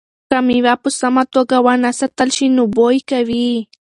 که مېوه په سمه توګه ونه ساتل شي نو بوی کوي.